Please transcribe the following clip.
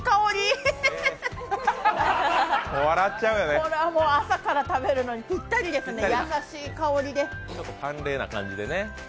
へへへこれはもう朝から食べるのにぴったりですね、優しい感じで。